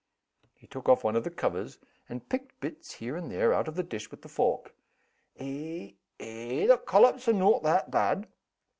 He took off one of the covers, and picked bits, here and there, out of the dish with the fork, "Eh! eh! the collops are no' that bad!"